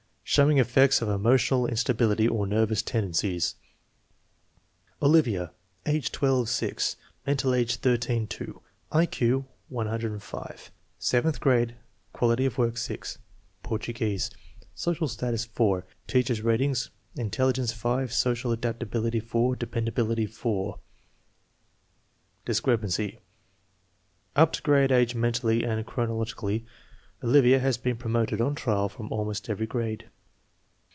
Showing effects of emotional instability or nervous tendencies. Olivia. Age l$ 6, mental age 13 2, I Q 105, seventh grade, quality of work 6. Portuguese, social status 4. Teacher's ratings: intelligence 5, social, adaptability 4, de pendability 4. Discrepancy: Up to grade age mentally and chronologi cally, Olivia has been promoted on trial from almost every grade.